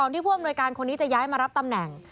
ที่ผู้อำนวยการคนนี้จะย้ายมารับตำแหน่ง